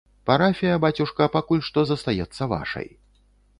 Парафія, бацюшка, пакуль што застаецца вашай.